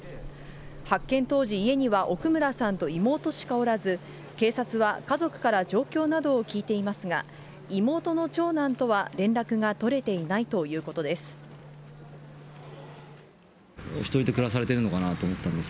発見当時、家には奥村さんと妹しかおらず、警察は家族から状況などを聞いていますが、妹の長男とは連絡が取れていないということです。